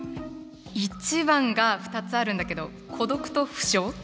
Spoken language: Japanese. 一番が２つあるんだけど「孤独」と「不詳」。